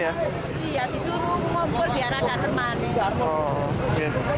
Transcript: iya disuruh ngumpul biar ada teman